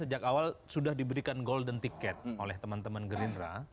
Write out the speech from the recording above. sejak awal sudah diberikan golden ticket oleh teman teman gerindra